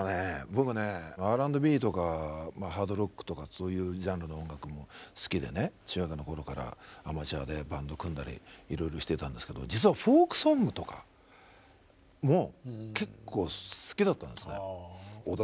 僕ねＲ＆Ｂとかハードロックとかそういうジャンルの音楽も好きでね中学の頃からアマチュアでバンド組んだりいろいろしてたんですけど実はフォークソングとかも結構好きだったんですね。